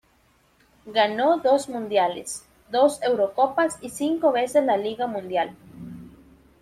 Ganó dos Mundiales, dos Eurocopas y cinco veces la Liga Mundial.